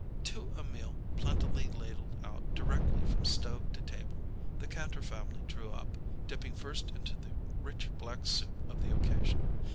To a meal plentifully ladled out directly from stove to table, the Kantor family drew up, dipping first into the rich black soup of the occasion.